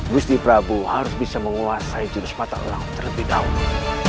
gusti prabu harus bisa menguasai jenis patah orang terlebih dahulu